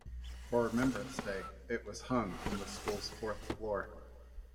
For Remembrance Day it was hung from the school's fourth floor.